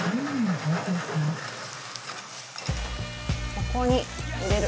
ここに入れる。